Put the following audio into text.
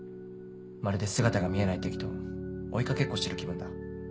まるで姿が見えない敵と追い掛けっこをしてる気分だ。